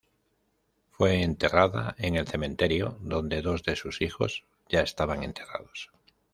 Fue enterrada en el cementerio donde dos de sus hijos ya estaban enterrados.